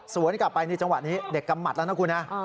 กลับไปนี่จังหวะนี้เด็กกำหมัดแล้วนะคุณฮะ